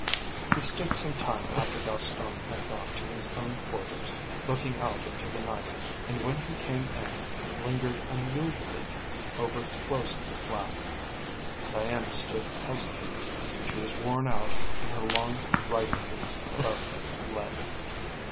He stood some time after Gaston had gone to his own quarters looking out into the night, and when he came in, lingered unusually over closing the flap. Diana stood hesitating. She was worn out and her long riding boots felt like lead.